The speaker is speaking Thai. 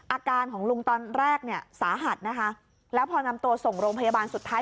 อาการของลุงตอนแรกเนี่ยสาหัสนะคะแล้วพอนำตัวส่งโรงพยาบาลสุดท้าย